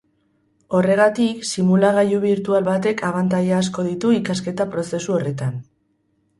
Horregatik, simulagailu birtual batek abantaila asko ditu ikasketa-prozesu horretan.